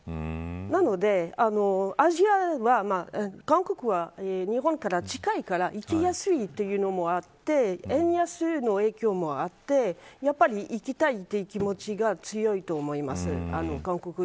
なので、アジアは韓国は日本から近いから行きやすいというのもあって円安の影響もあってやっぱり行きたいという気持ちが強いと思います